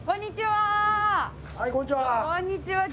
はいこんにちは！